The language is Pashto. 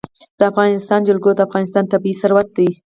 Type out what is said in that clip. د افغانستان جلکو د افغانستان طبعي ثروت دی.